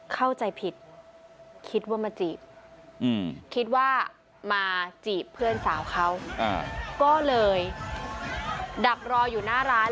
เข้าใจผิดคิดว่ามาจีบคิดว่ามาจีบเพื่อนสาวเขาก็เลยดักรออยู่หน้าร้าน